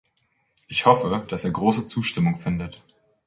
Ich hoffe, dass er große Zustimmung findet.